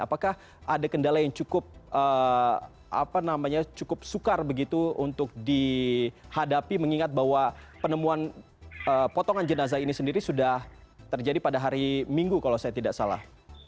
apakah ada kendala yang cukup sukar begitu untuk dihadapi mengingat bahwa penemuan potongan jenazah ini sendiri sudah terjadi pada hari minggu kalau saya tidak salah